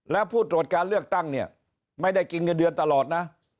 แล้วผู้ตรวจการเลือกตั้งเนี่ยไม่ได้กินเงินเดือนตลอดนะ